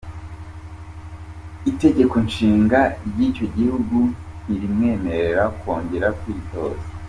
Itegeko Nshinga ry’icyo gihugu ntirimwemerera kongera kwitoza.